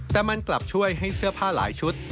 แต่มันกลับช่วยให้เสื้อผ้าหลายชุด